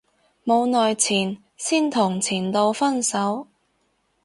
冇耐前先同前度分手